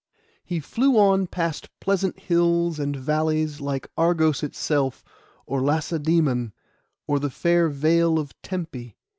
He flew on past pleasant hills and valleys, like Argos itself, or Lacedæmon, or the fair Vale of Tempe.